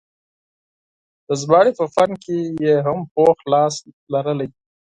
د ژباړې په فن کې یې هم پوخ لاس درلود.